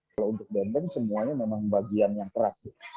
kalau untuk dendeng semuanya memang bagian yang keras